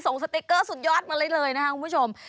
ส่งสติ๊กเกอร์สุดยอดมาเลยนะคะคุณผู้ชม